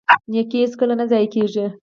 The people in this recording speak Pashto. نیکي هیڅکله نه ضایع کیږي.